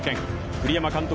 栗山監督